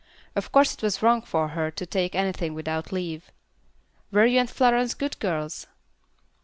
Of course it was wrong for her to take anything without leave. Were you and Florence good girls?"